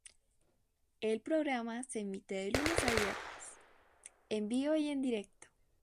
El programa se emite de lunes a viernes, en vivo y en directo.